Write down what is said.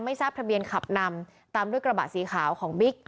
ทราบทะเบียนขับนำตามด้วยกระบะสีขาวของบิ๊ก